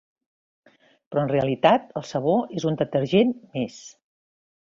Però en realitat, el sabó és un detergent més.